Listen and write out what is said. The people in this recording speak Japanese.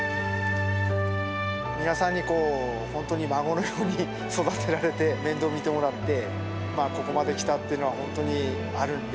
皆さんにこう、本当に孫のように育てられて、面倒見てもらって、ここまで来たっていうのは本当にあるんで。